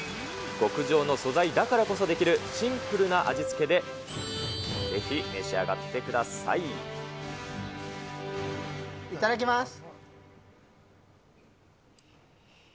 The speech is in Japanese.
極上の素材だからこそできるシンプルな味付けで、ぜひ、召し上がいただきます。